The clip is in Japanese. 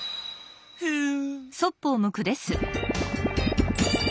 ふん！